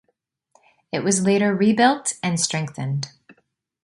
It was later rebuilt and strengthened.